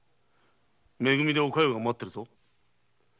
「め組」でお加代が待ってるぞ。